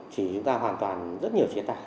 chỉ chúng ta hoàn toàn